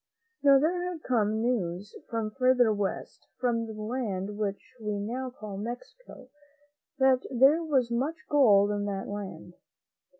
Now, there had come news from further west, from the land which we now call Mexico, that there was much gold in that land.